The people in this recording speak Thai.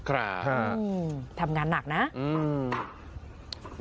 ครับครับอืมทำงานหนักนะอืม